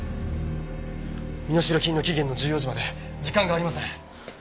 身代金の期限の１４時まで時間がありません。